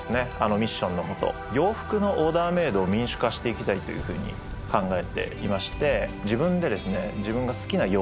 ミッションのもと洋服のオーダーメイドを民主化していきたいというふうに考えていまして。